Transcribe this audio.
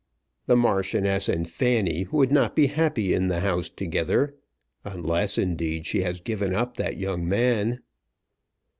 "The Marchioness and Fanny would not be happy in the house together, unless, indeed, she has given up that young man."